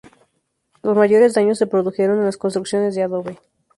Los mayores daños se produjeron en las construcciones de adobe.